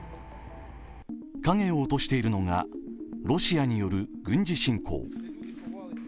影を落としているのがロシアによる軍事侵攻。